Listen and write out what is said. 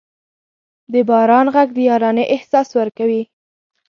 د باران ږغ د یارانې احساس ورکوي.